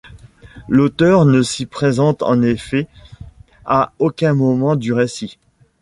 L'auteur ne s'y présente en effet à aucun moment du récit.